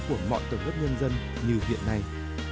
của mọi tầng gấp nhân dân như hiện nay